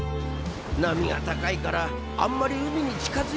波が高いからあんまり海に近づいちゃダメだよ。